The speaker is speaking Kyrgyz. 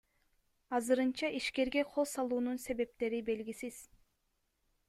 Азырынча ишкерге кол салуунун себептери белгисиз.